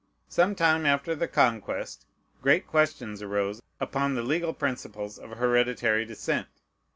Some time after the Conquest great questions arose upon the legal principles of hereditary descent.